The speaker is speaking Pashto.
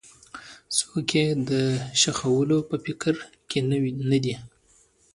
څوک یې د ښخولو په فکر کې نه دي.